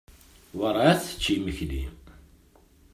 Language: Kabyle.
Werɛad tečči imekli.